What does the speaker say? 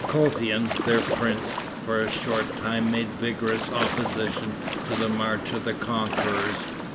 Kothian, their prince, for a short time made vigorous opposition to the march of the conquerors.